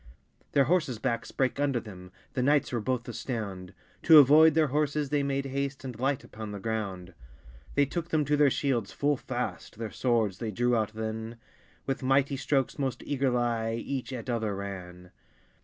Their horsses backes brake under them, The knights were both astound: To avoyd their horsses they made haste And light upon the ground. They tooke them to their shields full fast, Their swords they drewe out than, With mighty strokes most eagerlye Each at the other ran.